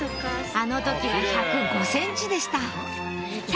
あの時は１０５ｃｍでしたメイです。